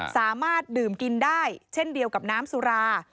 สามารถดื่มกินได้เช่นเดียวกับน้ำสุรา